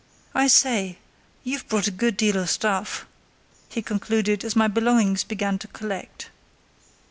I say, you've brought a good deal of stuff," he concluded, as my belongings began to collect.